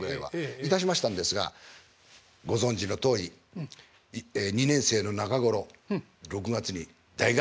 いたしましたんですがご存じのとおり２年生の中頃６月に大学紛争という。